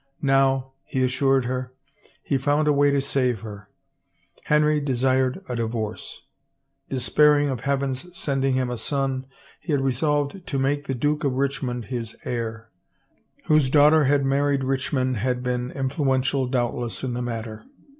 Now, he assured her, he found a way to save her. Henry de sired a divorce. Despairing of Heaven's sending him a son, he had resolved to make the Duke of Richmond his heir — Norfolk, whose daughter had married Rich mond had been influential doubtless in the matter.